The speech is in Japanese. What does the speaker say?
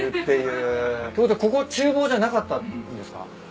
ていうことはここ厨房じゃなかったんですか？